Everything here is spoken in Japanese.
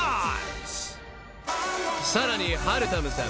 ［さらにはるたむさん。